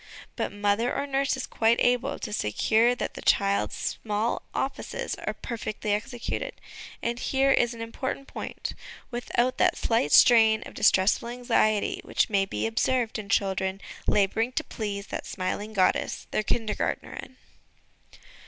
But mother or nurse is quite able to secure that the child's small offices are perfectly executed ; and, here is an important point, without that slight strain of distressful anxiety which may be observed in children labouring to please that smiling goddess, their ' Kindergartnerin!